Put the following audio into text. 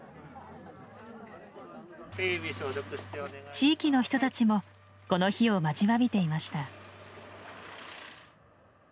地域の人たちもこの日を待ちわびていました。